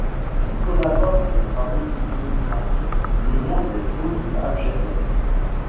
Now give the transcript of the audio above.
Il collabore à des travaux d'hydrographie le long des côtes algériennes.